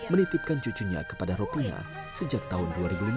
menitipkan cucunya kepada ropina sejak tahun dua ribu lima